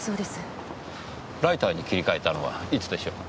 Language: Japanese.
ライターに切り替えたのはいつでしょう？